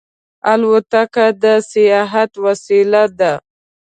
الوتکه د سیاحت وسیله ده.